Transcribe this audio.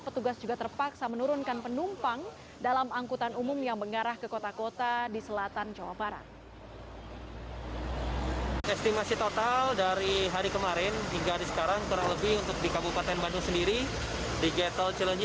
petugas juga terpaksa menurunkan penumpang dalam angkutan umum yang mengarah ke kota kota di selatan jawa barat